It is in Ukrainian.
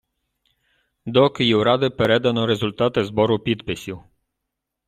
До Київради передано результати збору підписів.